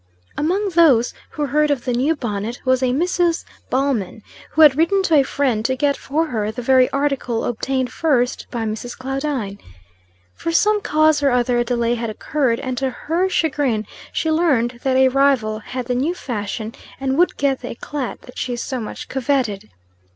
Among those who heard of the new bonnet, was a Mrs. Ballman, who had written to a friend to get for her the very article obtained first by Mrs. Claudine. From some cause or other a delay had occurred, and to her chagrin she learned that a rival had the new fashion, and would get the eclat that she so much coveted.